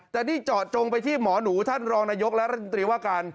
แต่นี่เจาะจงไปที่หมอหนูท่านรองนายกและรัฐมนตรีว่าการ